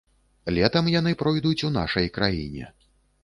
Летам яны пройдуць у нашай краіне.